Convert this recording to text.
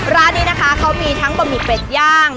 ร้านนี้นะคะเขามีทั้งบะหมี่เป็ดย่าง